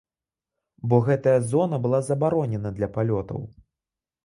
Бо гэтая зона была забаронена для палётаў.